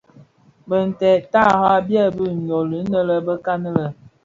Binted tara byèbi nyoli inë bekan lè.